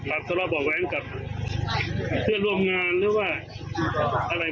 แบบก็รอบบอกแว้งกับเพื่อนร่วมงานหรือว่าอะไรไหม